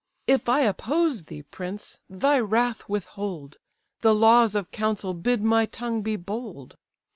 If I oppose thee, prince! thy wrath withhold, The laws of council bid my tongue be bold.